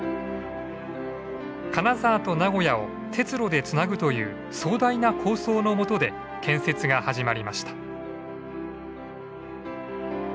金沢と名古屋を鉄路でつなぐという壮大な構想のもとで建設が始まりました。